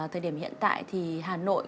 thời điểm hiện tại thì hà nội